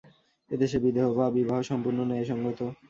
এ দেশে বিধবা-বিবাহ সম্পূর্ণ ন্যায়সঙ্গত।